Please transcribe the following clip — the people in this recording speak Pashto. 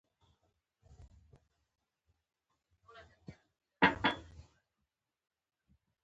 لعل پاچا نومېږم.